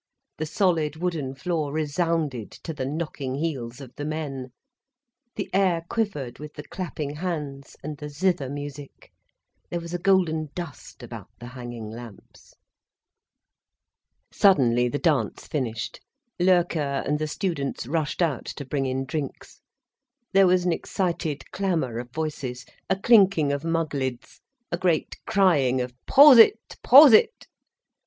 The solid wooden floor resounded to the knocking heels of the men, the air quivered with the clapping hands and the zither music, there was a golden dust about the hanging lamps. Suddenly the dance finished, Loerke and the students rushed out to bring in drinks. There was an excited clamour of voices, a clinking of mug lids, a great crying of "_Prosit—Prosit!